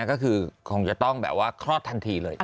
ก็คือคงจะต้องแบบว่าคลอดทันทีเลย